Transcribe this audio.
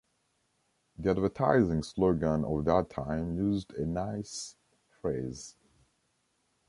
The advertising slogan of that time used a nice phrase.